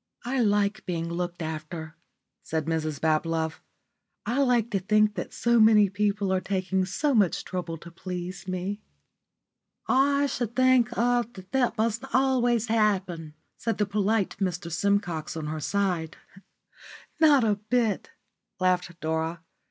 "I like being looked after," said Mrs Bablove. "I like to think that so many people are taking so much trouble to please me." "I should think er that that must always happen," said the polite Mr Simcox on her other side. "Not a bit," laughed Dora.